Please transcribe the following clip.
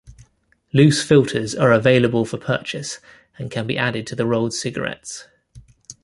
Loose filters are available for purchase and can be added to the rolled cigarettes.